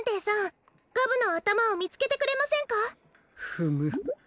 フム。